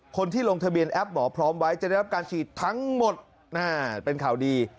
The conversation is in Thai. คนที่ลงทะเบียนแอปหมอพร้อมไว้จะได้รับการฉีดทั้งหมดเป็นข่าวดี